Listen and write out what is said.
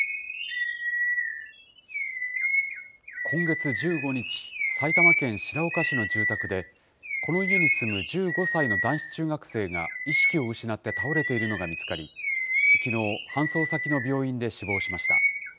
今月１５日、埼玉県白岡市の住宅で、この家に住む１５歳の男子中学生が意識を失って倒れているのが見つかり、きのう、搬送先の病院で死亡しました。